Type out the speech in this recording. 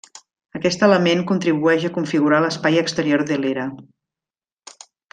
Aquest element contribueix a configurar l'espai exterior de l'era.